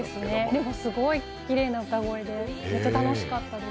すごいきれいな歌声で楽しかったです。